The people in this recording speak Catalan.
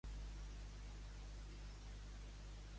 Les dones caminen gossos en un patró circular sobre terreny herbaci